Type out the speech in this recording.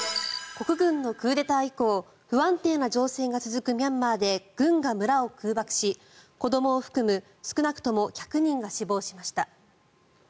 国軍のクーデター以降不安定な情勢が続くミャンマーで軍が村を空爆し子どもを含む少なくとも１００人が死亡しました。